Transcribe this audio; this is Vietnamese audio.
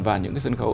và những cái sân khấu